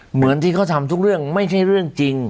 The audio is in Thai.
เหมือนที่เขาทำทุกเรื่องไม่ใช่เรื่องจริง